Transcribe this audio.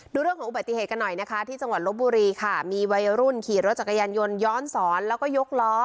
ดูเรื่องของอุบัติเหตุกันหน่อยนะคะที่จังหวัดลบบุรีค่ะมีวัยรุ่นขี่รถจักรยานยนต์ย้อนสอนแล้วก็ยกล้อ